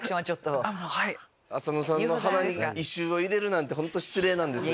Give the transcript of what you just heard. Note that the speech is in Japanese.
浅野さんの鼻に異臭を入れるなんてホント失礼なんですが。